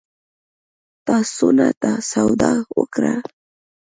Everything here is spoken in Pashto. تا څونه سودا وکړه؟